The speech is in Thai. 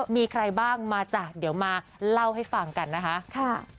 มีใครบ้างมาจ้ะเดี๋ยวมาเล่าให้ฟังกันนะคะ